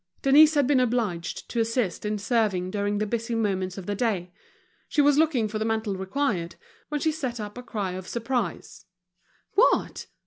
Denise had been obliged to assist in serving during the busy moments of the day. She was looking for the mantle required, when she set up a cry of surprise. "What!